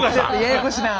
ややこしいな。